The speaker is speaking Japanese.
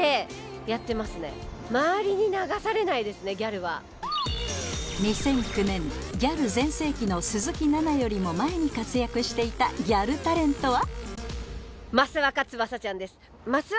パラ練したりとか２００９年ギャル全盛期の鈴木奈々よりも前に活躍していたギャルタレントは？